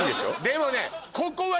でもね。